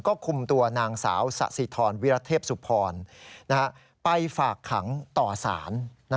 ก็คุมตัวนางสาวสะสิทรวิรเทพสุพรไปฝากขังต่อสาร